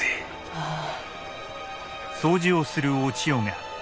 ああ。